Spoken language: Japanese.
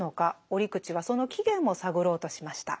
折口はその起源も探ろうとしました。